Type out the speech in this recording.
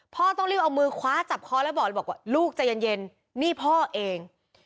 พ่อต้องรีบเอามือคว้าจับค้อนแล้วบอกว่าลูกใจเย็นเย็นนี่พ่อเอง